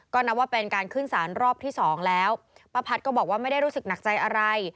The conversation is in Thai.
ก็นับว่าเป็นการขึ้นสารรอบที่สองแล้วป้าพัดก็บอกว่าไม่ได้รู้สึกหนักใจอะไร